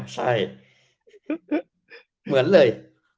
ใช่มีความเหมือนเลย